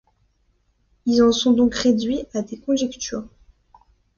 Ils en sont donc réduits à des conjectures.